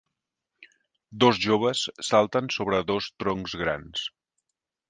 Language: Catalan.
Dos joves salten sobre dos troncs grans.